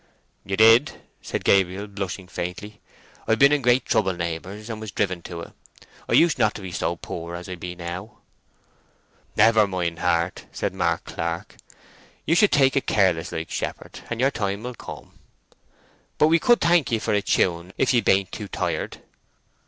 "You did," said Gabriel, blushing faintly. "I've been in great trouble, neighbours, and was driven to it. I used not to be so poor as I be now." "Never mind, heart!" said Mark Clark. "You should take it careless like, shepherd, and your time will come. But we could thank ye for a tune, if ye bain't too tired?"